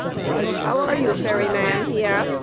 "How are you, ferry man?" he asked.